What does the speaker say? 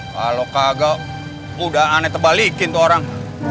kalau kagak udah aneh terbalikin tuh orang